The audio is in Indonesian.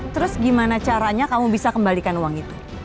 terus gimana caranya kamu bisa kembalikan uang itu